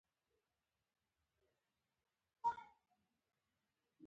ایا زما غاښ مینځل غواړي؟